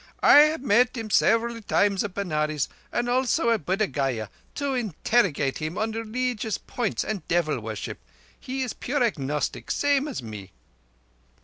I have met him several times at Benares, and also at Buddh Gaya, to interrogate him on releegious points and devil worship. He is pure agnostic—same as me."